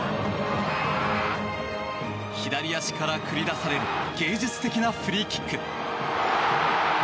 左足から繰り出される芸術的なフリーキック。